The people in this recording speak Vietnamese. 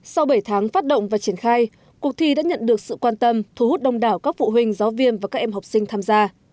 sau bảy tháng phát động và triển khai cuộc thi đã nhận được sự quan tâm thu hút đông đảo các phụ huynh giáo viên và các em học sinh tham gia